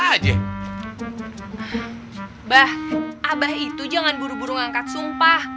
pak haji abah itu jangan buru buru ngangkat sumpah